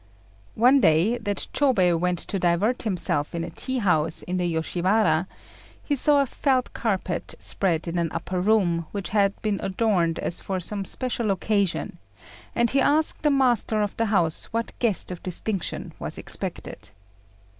] One day, that Chôbei went to divert himself in a tea house in the Yoshiwara, he saw a felt carpet spread in an upper room, which had been adorned as for some special occasion; and he asked the master of the house what guest of distinction was expected.